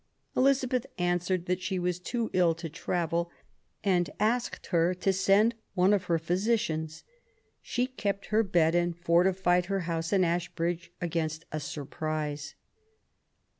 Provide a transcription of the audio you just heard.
Elizabeth answered that she was too ill to travel, and asked her to send one of her own physicians. She kept her bed and fortified her house at Ashbridge against a surprise.